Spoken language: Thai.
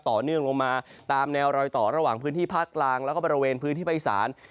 ต่อเนื่องลงมาตามแนวรอยต่อระหว่างพื้นที่ภาคกลางแล้วก็บริเวณพื้นที่ภาคอีสาน